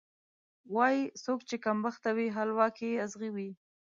وایي: څوک چې کمبخته وي، حلوا کې یې ازغی وي.